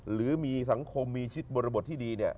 หรือมีสังคมมีชิดบริบทที่ดี